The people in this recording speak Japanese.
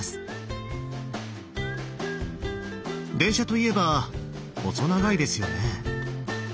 電車といえば細長いですよね。